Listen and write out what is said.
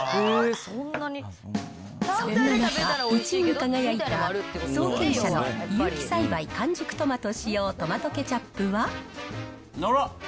そんな中、１位に輝いた創建社の有機栽培完熟トマト使用トマトケチャップはあら？